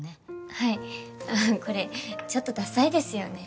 はいこれちょっとダサいですよね